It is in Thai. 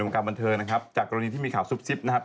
การบันเทิงนะครับจากกรณีที่มีข่าวซุบซิบนะครับ